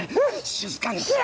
静かにしろ！